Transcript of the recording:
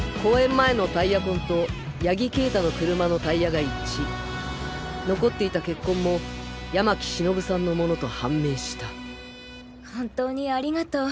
前のタイヤ痕と谷木圭太の車のタイヤが一致残っていた血痕も山喜忍さんのものと判明した本当にありがとう。